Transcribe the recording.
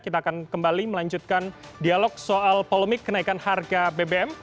kita akan kembali melanjutkan dialog soal polemik kenaikan harga bbm